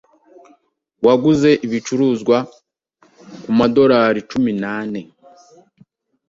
waguze ibicuruzwa kumadorari cumi nane.